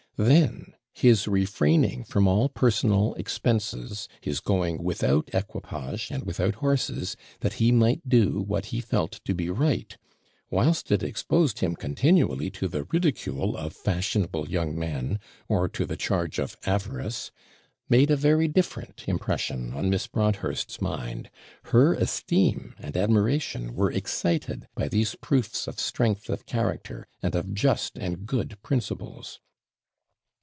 Then his refraining from all personal expenses, his going without equipage and without horses, that he might do what he felt to be right, whilst it exposed him continually to the ridicule of fashionable young men, or to the charge of avarice, made a very different impression on Miss Broadhurst's mind; her esteem and admiration were excited by these proofs of strength of character, and of just and good principles.'